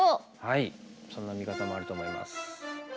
そんな見方もあると思います。